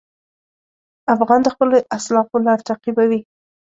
افغان د خپلو اسلافو لار تعقیبوي.